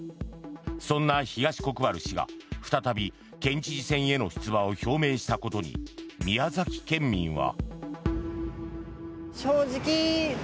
そんな東国原氏が再び県知事選への出馬を表明したことに宮崎県民は。